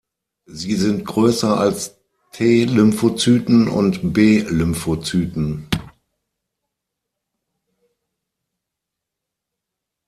Sie sind größer als T-Lymphozyten und B-Lymphozyten.